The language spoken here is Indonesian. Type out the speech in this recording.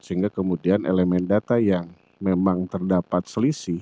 sehingga kemudian elemen data yang memang terdapat selisih